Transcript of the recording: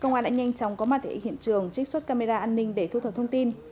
công an đã nhanh chóng có mặt tại hiện trường trích xuất camera an ninh để thu thập thông tin